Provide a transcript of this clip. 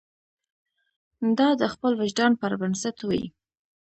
دا د خپل وجدان پر بنسټ وي.